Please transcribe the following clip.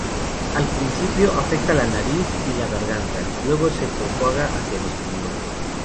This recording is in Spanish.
Al principio, afecta la nariz y la garganta, luego se propaga hacia los pulmones.